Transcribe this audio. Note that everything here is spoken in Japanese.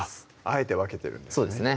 あえて分けてるんですね